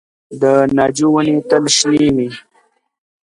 د ناجو ونې تل شنې وي؟